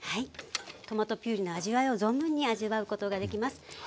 トマトピュレの味わいを存分に味わうことができます。